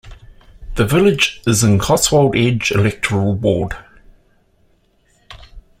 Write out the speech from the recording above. The village is in 'Cotswold Edge' electoral ward.